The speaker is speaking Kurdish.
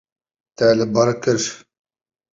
Te li ba kir.